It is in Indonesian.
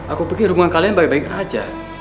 aku pikir hubungan kalian baik baik aja